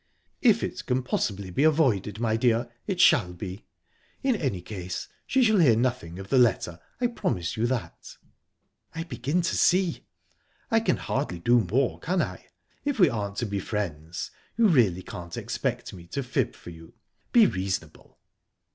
"If it can possibly be avoided, my dear, it shall be. In any case, she shall hear nothing of the letter I promise you that." "I begin to see!" "I can hardly do more, can I? If we aren't to be friends, you really can't expect me to fib for you. Be reasonable!"